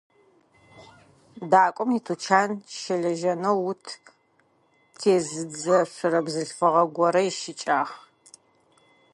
Дакӏом итучан щылэжьэнэу ут тезыдзэшъурэ бзылъфыгъэ горэ ищыкӏагъ.